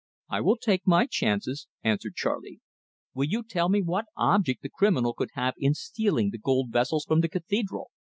"I will take my chances," answered Charley. "Will you tell me what object the criminal could have in stealing the gold vessels from the cathedral?"